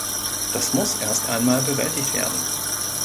Das muss erst einmal bewältigt werden.